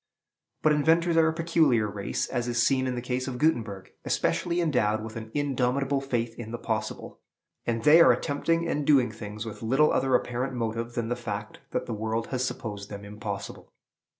But inventors are a peculiar race, as is seen in the case of Gutenberg, especially endowed with an indomitable faith in the possible; and they are continually attempting and doing things with little other apparent motive than the fact that the world has supposed them impossible.